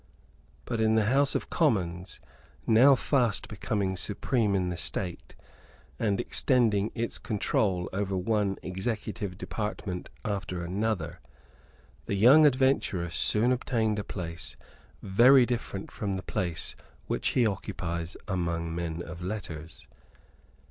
But in the House of Commons, now fast becoming supreme in the State, and extending its control over one executive department after another, the young adventurer soon obtained a place very different from the place which he occupies among men of letters.